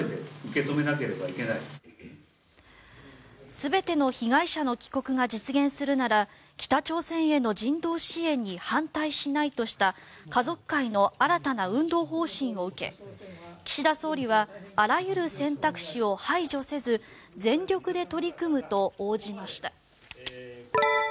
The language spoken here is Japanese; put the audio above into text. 全ての被害者の帰国が実現するなら北朝鮮への人道支援に反対しないとした家族会の新たな運動方針を受け岸田総理はあらゆる選択肢を排除せず全力で取り組むと応じました。